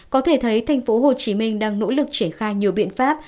có thể thấy tp hcm đang nỗ lực triển khai nhiều biện pháp